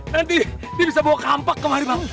nanti dia bisa bawa kampak kemari bang